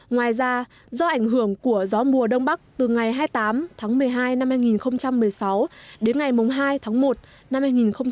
ngoài ra do ảnh hưởng của gió mùa đông bắc từ ngày hai mươi tám tháng một mươi hai năm hai nghìn một mươi sáu đến ngày hai tháng một năm hai nghìn một mươi chín